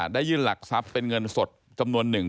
ได้ยื่นหลักทรัพย์เป็นเงินสดจำนวนหนึ่ง